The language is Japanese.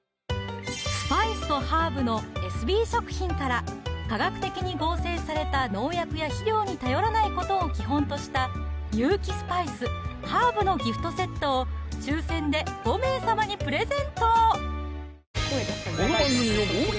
スパイスとハーブのエスビー食品から化学的に合成された農薬や肥料に頼らないことを基本とした有機スパイス・ハーブのギフトセットを抽選で５名様にプレゼント